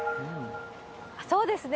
そうですね。